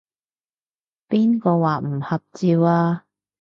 邊個話唔合照啊？